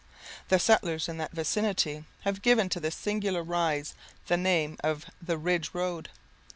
The settlers in that vicinity have given to this singular rise the name of the "Ridge road."